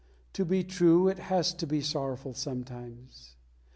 To be true it has to be sorrowful sometimes.